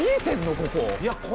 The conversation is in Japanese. ここ。